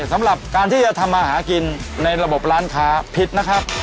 สำหรับการที่จะทำมาหากินในระบบร้านค้าผิดนะครับ